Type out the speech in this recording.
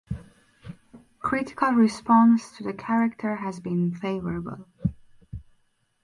Critical response to the character has been favorable.